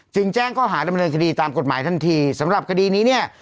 แจ้งข้อหาดำเนินคดีตามกฎหมายทันทีสำหรับคดีนี้เนี่ย